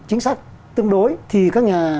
chính xác tương đối thì các nhà